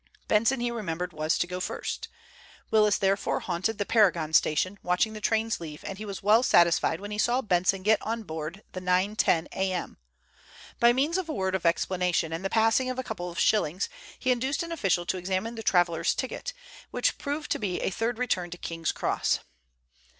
Benson, he remembered, was to go first. Willis therefore haunted the Paragon station, watching the trains leave, and he was well satisfied when he saw Benson get on board the 9.10 a.m. By means of a word of explanation and the passing of a couple of shillings, he induced an official to examine the traveller's ticket, which proved to be a third return to King's Cross.